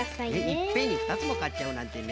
いっぺんにふたつもかっちゃうなんてね。